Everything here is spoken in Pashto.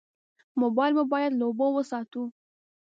موبایل مو باید له اوبو وساتو.